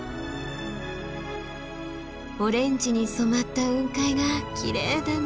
オレンジに染まった雲海がきれいだな。